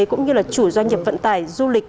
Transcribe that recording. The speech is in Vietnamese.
cũng như là chủ doanh nghiệp vận tải du lịch